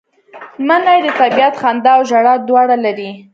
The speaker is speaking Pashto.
منی د طبیعت خندا او ژړا دواړه لري